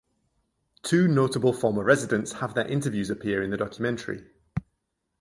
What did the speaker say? Two notable former residents have their interviews appear in the documentary.